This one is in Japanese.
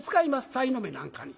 さいの目なんかに。